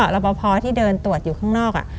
แล้วพอที่เดินตรวจอยู่ข้างนอก